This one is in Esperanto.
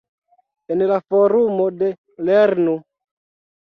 En la forumo de "lernu!